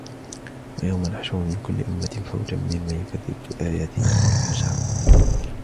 وَيَوْمَ نَحْشُرُ مِنْ كُلِّ أُمَّةٍ فَوْجًا مِمَّنْ يُكَذِّبُ بِآيَاتِنَا فَهُمْ يُوزَعُونَ